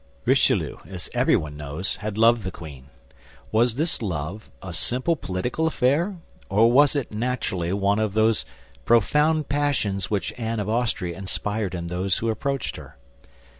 Richelieu, as everyone knows, had loved the queen. Was this love a simple political affair, or was it naturally one of those profound passions which Anne of Austria inspired in those who approached her?